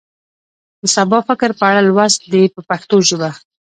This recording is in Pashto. د سبا فکر په اړه لوست دی په پښتو ژبه.